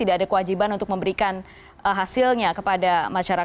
laboratorium memberikan hasilnya ke abibrizik